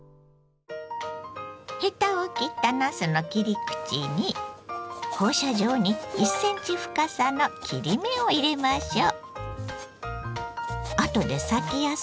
ヘタを切ったなすの切り口に放射状に１センチ深さの切り目を入れましょう。